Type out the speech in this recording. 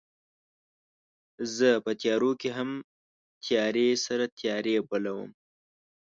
زه په تیارو کې هم تیارې سره تیارې بلوم